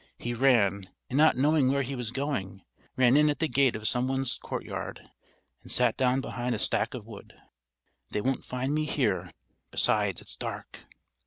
He ran, and not knowing where he was going, ran in at the gate of some one's courtyard, and sat down behind a stack of wood: "They won't find me here, besides it's dark!"